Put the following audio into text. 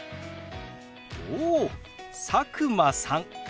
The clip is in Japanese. おお佐久間さんですね。